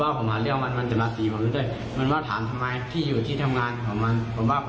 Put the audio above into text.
แล้วก็มันว่ามันจะเรียกมูกมันมาตีปุ่มครับ